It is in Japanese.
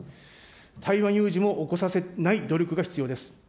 台湾有事も起こさせない努力が必要です。